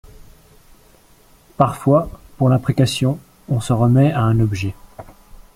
Parfois, pour l'imprécation, on s'en remet a un objet.